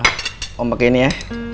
nah om pakai ini ya